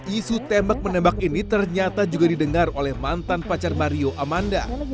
isu tembak menembak ini ternyata juga didengar oleh mantan pacar mario amanda